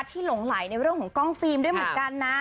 หลงไหลในเรื่องของกล้องฟิล์มด้วยเหมือนกันนะ